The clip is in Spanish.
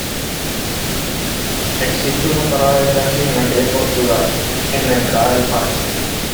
Existe una parada de taxis en la calle Portugal, en la entrada del parque.